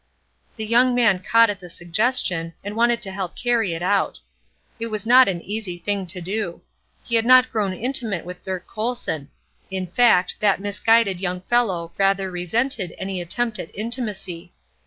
The young man caught at the suggestion, and wanted to help carry it out. It was not an easy thing to do. He had not grown intimate with Dirk Colson; in fact, that misguided young fellow rather resented any attempt at intimacy.